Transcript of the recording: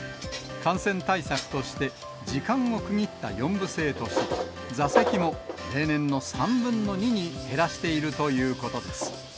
感染対策として、時間を区切った４部制とし、座席も例年の３分の２に減らしているということです。